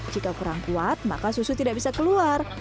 jika kurang kuat maka susu tidak bisa keluar